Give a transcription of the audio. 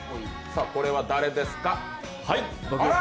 これは誰ですか。